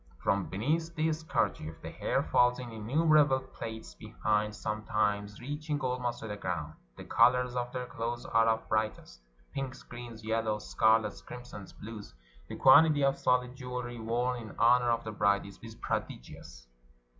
From beneath this kerchief the hair falls in innumerable plaits behind, sometimes reaching almost to the ground. The colors of their clothes are of the brightest — pinks, greens, yellows, scarlets, crimsons, blues. The quantity of soUd jewelry worn in honor of the bride is prodigious.